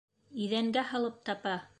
Иҙәнгә һалып тапа!..